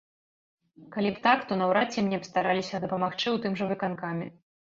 Калі б так, то наўрад ці мне б стараліся дапамагчы ў тым жа выканкаме.